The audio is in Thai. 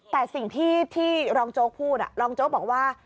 แต่สิ่งที่รองโจ๊กบอกว่า